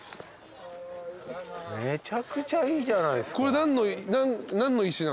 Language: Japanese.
めちゃくちゃいいじゃないですか。